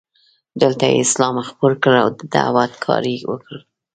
دلته یې اسلام خپور کړ او د دعوت کار یې وکړ.